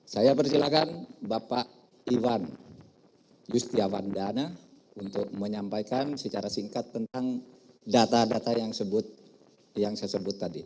saya persilakan bapak iwan yustiawandana untuk menyampaikan secara singkat tentang data data yang saya sebut tadi